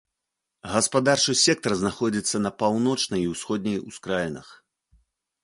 Гаспадарчы сектар знаходзіцца на паўночнай і ўсходняй ускраінах.